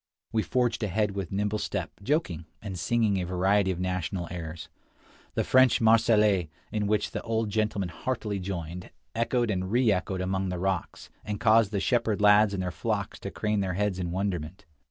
We forged ahead with nimble step, joking, and singing a variety of national airs. The French "Marseillaise," in which the old gentleman heartily joined, echoed and reechoed among the rocks, and caused the shepherd lads and their flocks to crane their heads in wonderment.